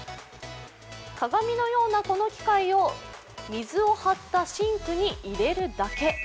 鏡のようなこの機械を水を張ったシンクに入れるだけ。